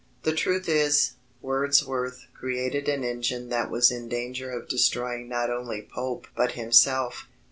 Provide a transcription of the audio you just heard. The truth is, Wordsworth created an engine that was in danger of destroying not only Pope but himself.